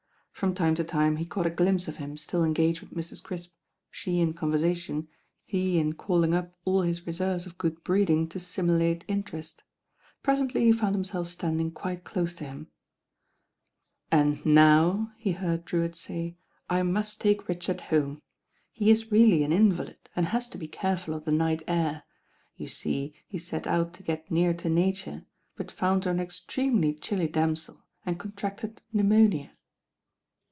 From time to time he caught a glimpse of him still lio THE RAIN GIRL engaged with Mri. Critp, the in convertttion, he in calling up all hit reiervei of good breeding to sunu late interest. Presently he found himself standing quite close to him. "And now," he heard Drewitt say, "I must take Richard home. He is really an invalid, and has to be careful of the night air. You see he set out to get near to Nature; but found her an extremely chilly damsel, and contracted pneumonia."